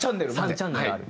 ３チャンネルある。